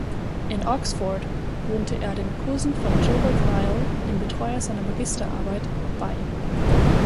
In Oxford wohnte er den Kursen von Gilbert Ryle, dem Betreuer seiner Magisterarbeit, bei.